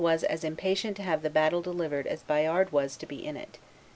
was as impatient to have the battle delivered as Bayard was to be in it.